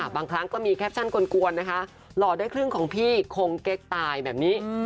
บางครั้งก็มีแคปชั่นกลวนนะคะหล่อได้ครึ่งของพี่คงเก๊กตายแบบนี้